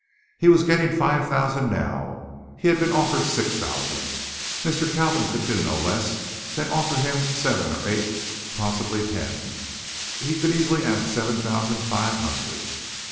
He was getting five thousand now, he had been offered six thousand. Mr. Kalvin could do no less than offer him seven or eight possibly ten. He could easily ask seven thousand five hundred.